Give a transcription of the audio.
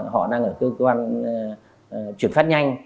họ đang ở cơ quan chuyển phát nhanh